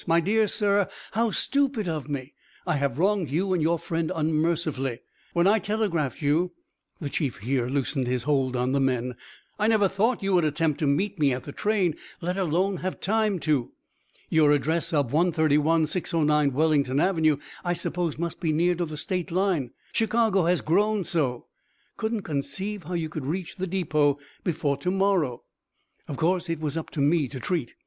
My dear sir, how stupid of me! I have wronged you and your friend unmercifully. When I telegraphed you (the Chief here loosened his hold on the men) I never thought you would attempt to meet me at the train, let alone have time to. Your address of 131609 Wellington avenue, I supposed must be near to the State line; Chicago has grown so. Couldn't conceive how you could reach the depot before to morrow." Of course, it was "up to me" to treat.